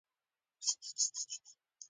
خپل حقوق په آزاده توګه ساتي.